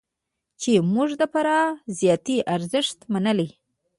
چې موږ د فرد ذاتي ارزښت منلی.